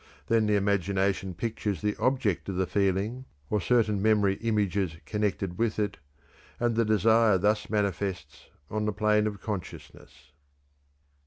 Then the imagination pictures the object of the feeling, or certain memory images connected with it, and the desire thus manifests on the plane of consciousness.